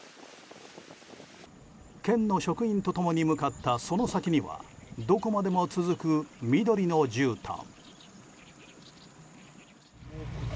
県の職員と共に向かったその先にはどこまでも続く緑のじゅうたん。